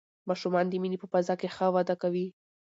ماشومان د مینې په فضا کې ښه وده کوي